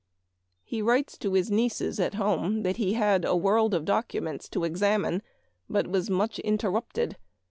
He writes to his nieces at home that he had a world of documents to examine, but was much interrupted.